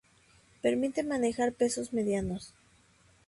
Permite manejar pesos medianos.